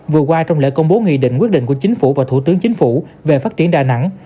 vừa qua trong lễ công bố nghị định quyết định của chính phủ và thủ tướng chính phủ về phát triển đà nẵng